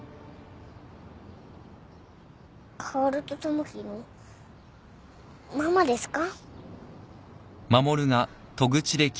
薫と友樹のママですか？